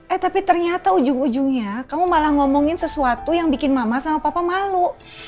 eh tapi ternyata ujung ujungnya kamu malah ngomongin sesuatu yang bikin mama sama papa malu